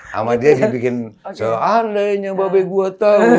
sama dia dibikin sealainya babeguatan